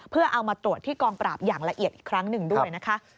เพื่อเอามาตรวจที่กองปราบอย่างละเอียดอีกครั้งหนึ่งด้วยนะคะ